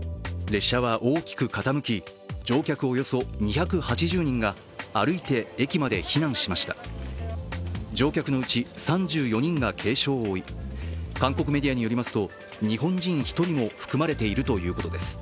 列車は大きく傾き乗客およそ２８０人が歩いて駅まで避難しました乗客のうち３４人が軽傷を負い、韓国メディアによりますと日本人１人も含まれているということです。